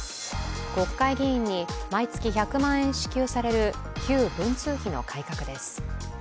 国会議員に毎月１００万円支給される旧文通費の改革です。